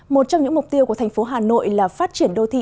một trong những mục tiêu của thành phố hà nội là phát triển đô thị